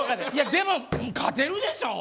でも勝てるでしょう。